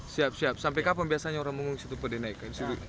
siap siap sampai kapan biasanya orang mengungsi itu pada naik